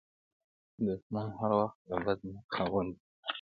دښمن هر وخت د بد نیت خاوند وي